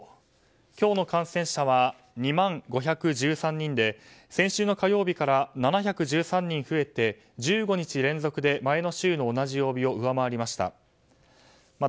今日の感染者は２万５１３人で先週の火曜日から７１３人増えて１５日連続で前の週の同じ曜日を上回りました。